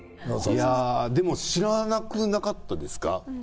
でも知らなくなかったですか？